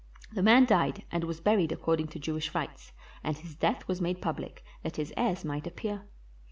The man died and was buried according to Jewish rites, and his death was made public that his heirs might appear.